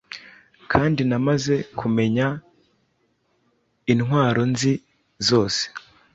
Kandi namaze kumenya intwaronzi zose -